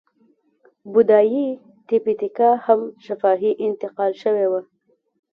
بودایي تیپي تیکا هم شفاهي انتقال شوې وه.